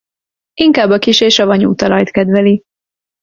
Inkább a kissé savanyú talajt kedveli.